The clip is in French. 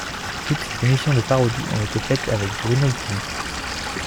Toutes ces émissions de parodies ont été faites avec Bruno Guillon.